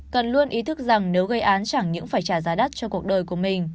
cần luôn ý thức rằng nếu gây án chẳng những phải trả giá đắt cho cuộc đời của mình